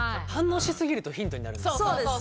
そうです。